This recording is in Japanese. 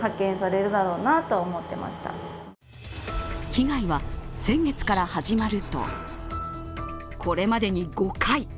被害は先月から始まると、これまでに５回。